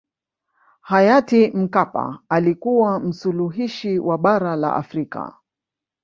hayati mkapa alikuwa msuluhishi wa bara la afrika